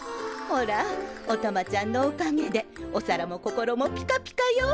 ほらおたまちゃんのおかげでお皿も心もピカピカよ！